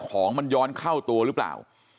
ของมันย้อนเข้าตัวหรือเปล่า